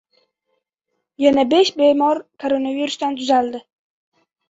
Yana besh bemor koronavirusdan tuzaldi.